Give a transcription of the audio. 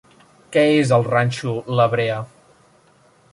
Què és el Ranxo La Brea?